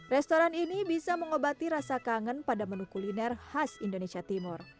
restoran ini bisa mengobati rasa kangen pada menu kuliner khas indonesia timur